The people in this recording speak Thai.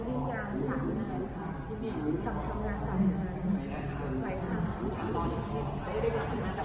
ไม่ได้นอนเกือบ๓วันเพราะว่ามีปัญหาเรื่องเรื่องแก้ไฟไม่ได้นาน